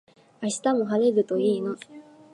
明日も晴れるといいな